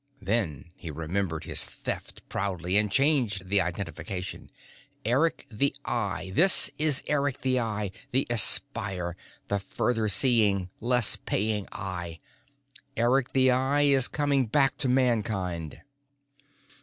Then he remembered his Theft proudly and changed the identification. "Eric the Eye. This is Eric the Eye, the Espier, the further seeing, less paying Eye. Eric the Eye is coming back to Mankind!"